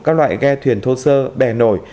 các loại ghe thuyền thô sơ bè nổi